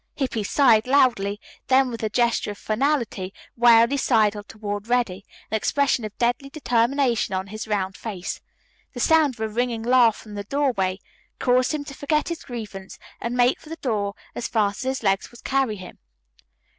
Hippy sighed loudly, then with a gesture of finality warily sidled toward Reddy, an expression of deadly determination on his round face. The sound of a ringing laugh from the doorway caused him to forget his grievance and make for the door as fast as his legs would carry him.